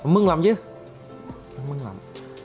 mừng lắm chứ mừng lắm